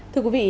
thưa quý vị